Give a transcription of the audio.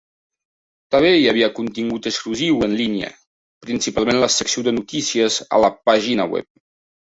També hi havia contingut exclusiu en línia, principalment la secció de notícies a la pàgina web.